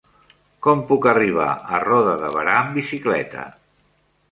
Com puc arribar a Roda de Berà amb bicicleta?